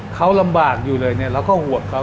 เขาลำบากอยู่เลยเนี่ยเราก็ห่วงเขา